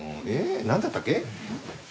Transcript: なんだったっけ？